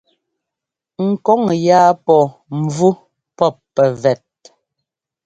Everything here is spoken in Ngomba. Ŋ kɔŋ yáa pɔ́ mvú pɔ́p pɛvɛt.